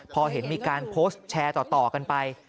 พอเห็นมีการโพสต์แชร์ต่อกันไป